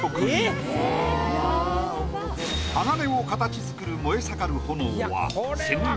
鋼を形作る燃え盛る炎は。